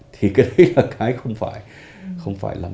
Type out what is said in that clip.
thì cái đấy là cái không phải không phải lắm